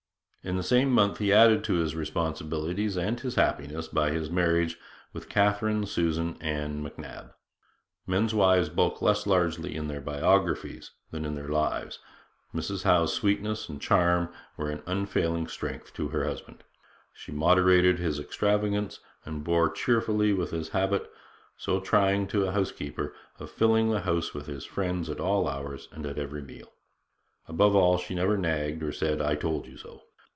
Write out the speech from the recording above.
In the same month he added to his responsibilities and his happiness by his marriage with Catharine Susan Ann Macnab. Men's wives bulk less largely in their biographies than in their lives. Mrs Howe's sweetness and charm were an unfailing strength to her husband. She moderated his extravagance, and bore cheerfully with his habit, so trying to a housekeeper, of filling the house with his friends at all hours and at every meal. Above all, she never nagged, or said 'I told you so.'